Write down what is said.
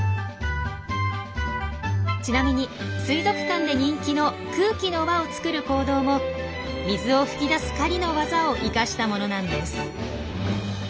ちなみに水族館で人気の空気の輪を作る行動も水を吹き出す狩りの技を生かしたものなんです。